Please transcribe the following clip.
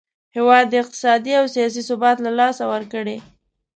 هیواد یې اقتصادي او سیاسي ثبات له لاسه ورکړی.